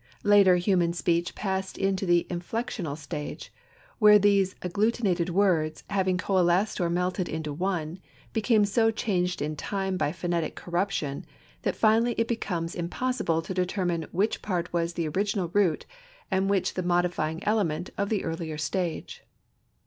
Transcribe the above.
Later, human speech passed into the inflectional stage, where these agglutinated words having coalesced or melted into one, became so changed in time by phonetic corruption that finally it becomes impossible to determine which part was the original root and which the modifying element of the earlier stage.